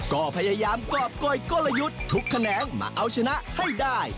ก็พยายามกรอบก้อยกลยุทธ์ทุกแขนงมาเอาชนะให้ได้